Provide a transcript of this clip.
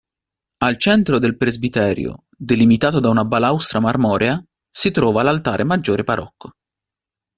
Al centro del presbiterio, delimitato da una balaustra marmorea, si trova l'altare maggiore barocco.